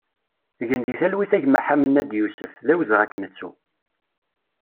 Gen di talwit a gma Ḥamenad Yusef, d awezɣi ad k-nettu!